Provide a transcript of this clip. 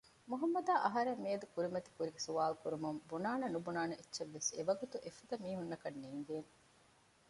މުހައްމަދާ އަހަރެން މިއަދު ކުރިމަތި ކުރި ސުވާލުކުރުމުން ބުނާނެ ނުބުނާނެ އެއްޗެއް ވެސް އެވަގުތު އެފަދަ މީހުންނަކަށް ނޭނގޭނެ